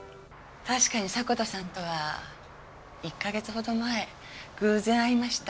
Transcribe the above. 確かに迫田さんとは１か月ほど前偶然会いました。